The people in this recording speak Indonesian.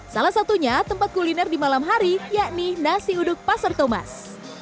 salah satunya tempat kuliner di malam hari yakni nasi uduk pasar thomas